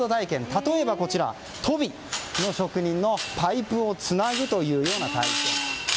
例えば、とび職人のパイプをつなぐという体験。